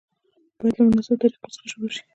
باید له مناسبو طریقو څخه شروع شي.